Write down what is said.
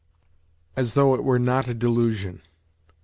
As though it were not a delusion